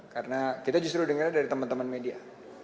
karena kita justru dengar dari teman teman media